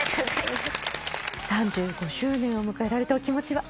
３５周年を迎えられたお気持ちは？